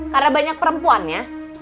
karena banyak perempuannya